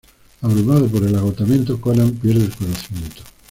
Abrumado por el agotamiento, Conan pierde el conocimiento.